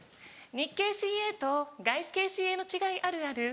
日系ＣＡと外資系ＣＡの違いあるある。